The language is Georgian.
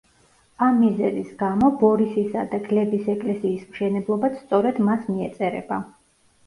ამ მიზეზის გამო ბორისისა და გლების ეკლესიის მშენებლობაც სწორედ მას მიეწერება.